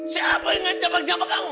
siapa yang ngejambak jambak kamu